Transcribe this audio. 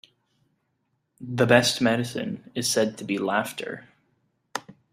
The best medicine is said to be laughter.